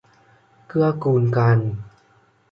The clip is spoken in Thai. เกื้อกูลกัน